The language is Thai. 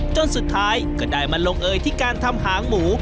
จนสุดท้ายก็ได้มาลงเอยที่การทำหางหมู